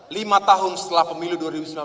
lima tahun setelah pemilu dua ribu sembilan belas